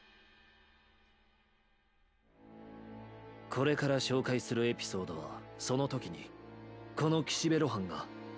これから紹介するエピソードはその時にこの岸辺露伴が「実際にこの耳で聞いた」